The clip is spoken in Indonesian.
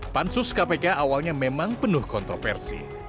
pansus kpk awalnya memang penuh kontroversi